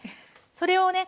それをね